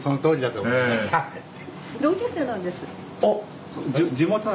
あっ。